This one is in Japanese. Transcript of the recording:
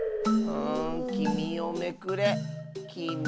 きみをめくれきみ？